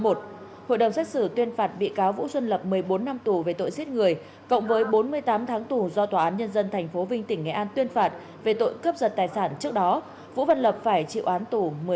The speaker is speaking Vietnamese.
hội đồng xét xử tuyên phạt bị cáo vũ xuân lập một mươi bốn năm tù về tội giết người cộng với bốn mươi tám tháng tù do tòa án nhân dân thành phố vinh tỉnh nghệ an tuyên phạt về tội cướp giật tài sản trước đó vũ văn lập phải chịu án tù một mươi tám năm